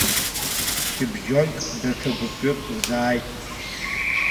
Шьыбжьонк даҽа гәыԥҩык рзааит.